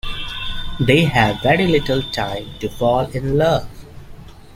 They have very little time to fall in love.